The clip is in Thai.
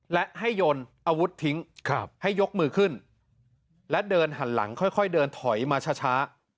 และให้ยนอาวุธทิ้งให้ยกมือขึ้นและเดินหันหลังค่อยเดินถอยมาช้า